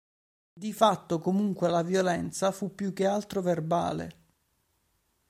Di fatto, comunque, la violenza fu più che altro verbale.